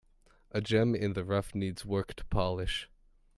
A gem in the rough needs work to polish.